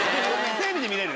テレビで見れる？